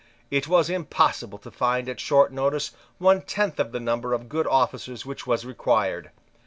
It was impossible to find at short notice one tenth of the number of good officers which was required.